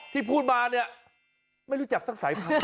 ที่พูดมาเนี่ยไม่รู้จักสักสายพันธุ์